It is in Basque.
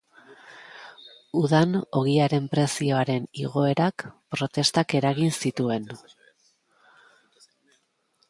Udan ogiaren prezioaren igoerak protestak eragin zituen.